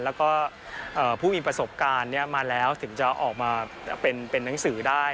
แล้วก็ผู้มีประสบการณ์มาแล้วถึงจะออกมาเป็นหนังสือได้